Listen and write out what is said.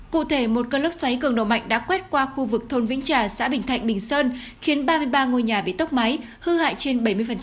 cụ thể một cơn lốc xoáy cường độ mạnh đã quét qua khu vực thôn vĩnh trà xã bình thạnh bình sơn khiến ba mươi ba ngôi nhà bị tốc máy hư hại trên bảy mươi